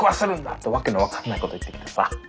って訳の分かんないこと言ってきてさ。